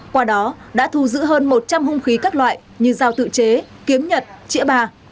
qua đó đã thu giữ hơn một trăm linh hung khí các loại như giao tự chế kiếm nhật trĩa bà